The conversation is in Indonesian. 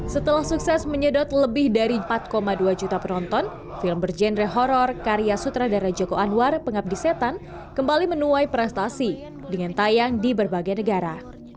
setelah sukses menyedot lebih dari empat dua juta penonton film berjenre horror karya sutradara joko anwar pengabdi setan kembali menuai prestasi dengan tayang di berbagai negara